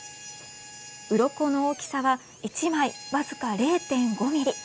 うろこの大きさは１枚、僅か０．５ｍｍ。